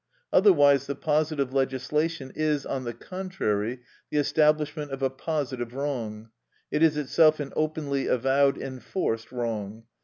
Otherwise the positive legislation is, on the contrary, the establishment of a positive wrong; it is itself an openly avowed enforced wrong.